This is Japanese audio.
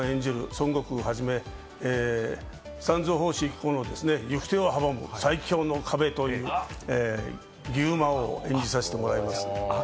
孫悟空をはじめ三蔵法師一行の行く手を阻む最強の壁という牛魔王を演じさせていただきます。